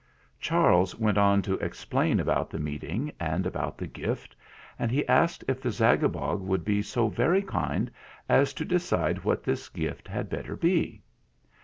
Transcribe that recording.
Charles went on to explain about the Meeting and about the gift, and he asked if the Zagabog would be so very kind as to decide what this gift had better be.